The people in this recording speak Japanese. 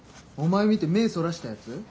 お前見て目そらしたやつ？